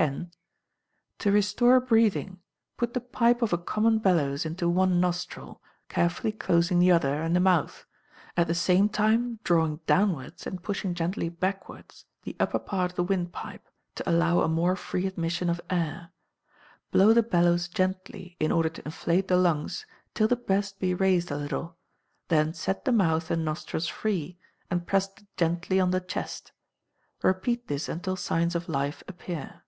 x. To restore breathing, put the pipe of a common bellows into one nostril, carefully closing the other, and the mouth; at the same time drawing downwards, and pushing gently backwards, the upper part of the windpipe, to allow a more free admission of air; blow the bellows gently, in order to inflate the lungs, till the breast be raised a little; then set the mouth and nostrils free, and press gently on the chest: repeat this until signs of life appear.